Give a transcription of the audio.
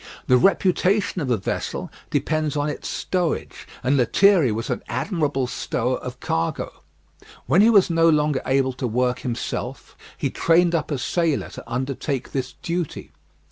The reputation of a vessel depends on its stowage, and Lethierry was an admirable stower of cargo. When he was no longer able to work himself, he trained up a sailor to undertake this duty.